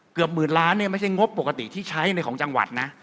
เกือบหมื่นล้านเนี่ยไม่ใช่งบปกติที่ใช้ในของจังหวัดนะ